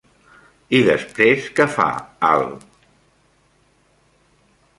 I després què fa, al??